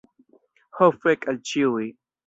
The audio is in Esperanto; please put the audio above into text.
Ho fek al ĉiuj.